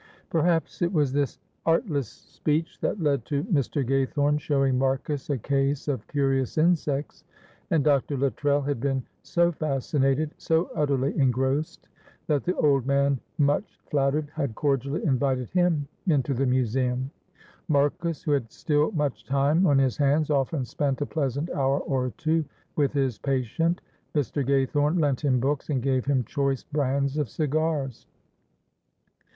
Perhaps it was this artless speech that led to Mr. Gaythorne showing Marcus a case of curious insects, and Dr. Luttrell had been so fascinated, so utterly engrossed, that the old man, much flattered, had cordially invited him into the museum. Marcus, who had still much time on his hands, often spent a pleasant hour or two with his patient. Mr. Gaythorne lent him books, and gave him choice brands of cigars.